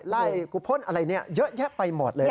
ไล่กุพลอะไรเยอะแยะไปหมดเลย